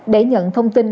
để nhận thông tin